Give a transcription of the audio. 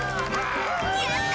やった！